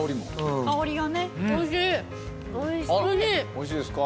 美味しいですか？